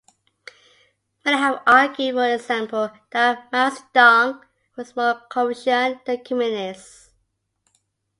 Many have argued, for example, that Mao Zedong was more Confucian than Communist.